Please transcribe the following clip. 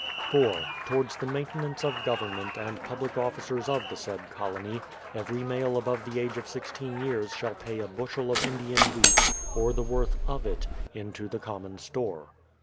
4. Towards the maintenance of government, and public officers of the said colony, every male above the age of 16 years shall pay a bushel of Indian wheat, or the worth of it, into the common store.